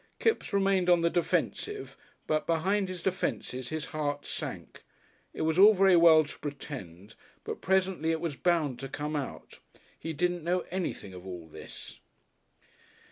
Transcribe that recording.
Kipps remained on the defensive, but behind his defences his heart sank. It was all very well to pretend, but presently it was bound to come out. He didn't know anything of all this....